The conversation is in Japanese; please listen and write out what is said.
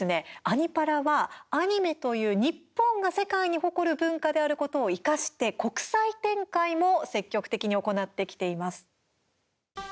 「アニ×パラ」はアニメという日本が世界に誇る文化であることを生かして国際展開も積極的に行ってきています。